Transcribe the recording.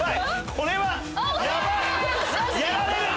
これはヤバい！やられる！